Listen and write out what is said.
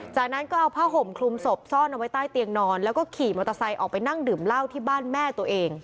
จากนั้นก็เอาผ้าห่มคลุมศพซ่อนเอาไว้ใต้เตียงนอนแล้วก็ขี่มอเตอร์ไซค์ออกไปนั่งดื่มเหล้าที่บ้านแม่ตัวเอง